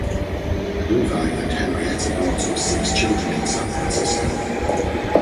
Levi and Henrietta brought up six children in San Francisco.